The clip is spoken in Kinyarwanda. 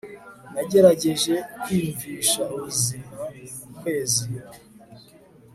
Nagerageje kwiyumvisha ubuzima ku kwezi